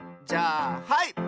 じゃあはい！